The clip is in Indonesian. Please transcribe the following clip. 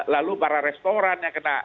lalu para restoran yang kena